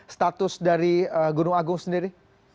status dari gunung agung sendiri